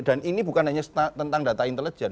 dan ini bukan hanya tentang data intelijen